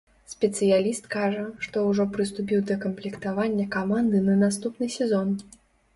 Спецыяліст кажа, што ўжо прыступіў да камплектавання каманды на наступны сезон.